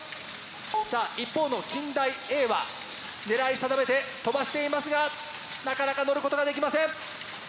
さあ一方の近大Ａは狙い定めて飛ばしていますがなかなかのることができません。